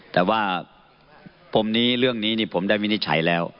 แต่ว่าปมนี้เรื่องนี้ผมได้วินิจฉัยแล้ว